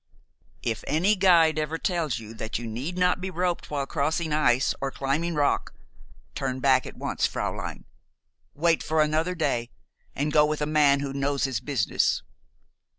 "If any guide ever tells you that you need not be roped while crossing ice or climbing rock, turn back at once, fräulein. Wait for another day, and go with a man who knows his business.